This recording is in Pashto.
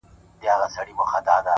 لوړ فکر محدودیتونه کمزوري کوي,